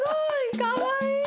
かわいい。